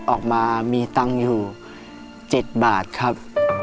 ออกมามีตังค์อยู่๗บาทครับ